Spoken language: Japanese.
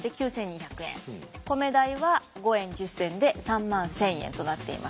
米代は５円１０銭で３万１，０００円となっています。